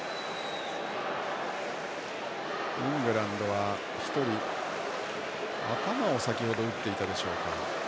イングランドは１人頭を先程、打っていたでしょうか。